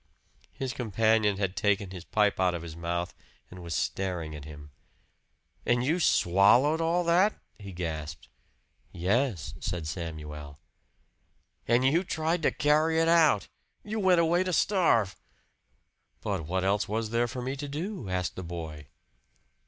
His companion had taken his pipe out of his mouth and was staring at him. "And you swallowed all that?" he gasped. "Yes," said Samuel. "And you tried to carry it out! You went away to starve!" "But what else was there for me to do?" asked the boy.